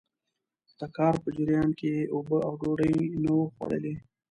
د کار په جريان کې يې اوبه او ډوډۍ نه وو خوړلي.